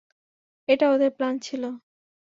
এটা ওদের প্ল্যান ছিল।